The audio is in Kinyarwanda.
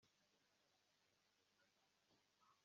birashoboka cyane ko iziba ibyerekana byose